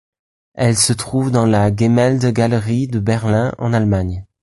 Elle se trouve dans la Gemäldegalerie de Berlin, en Allemagne.